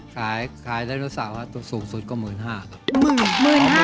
ขายขายดันโนเสาร์ฮะสูงสุดก็๑๕๐๐๐บาทครับ